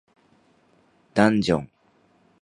ダンジョン